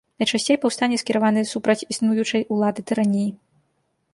Найчасцей паўстанне скіраваны супраць існуючай улады, тыраніі.